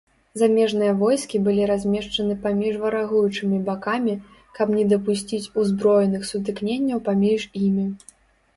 Замежныя войскі былі размешчаны паміж варагуючымі бакамі, каб не дапусціць узброеных сутыкненняў паміж імі.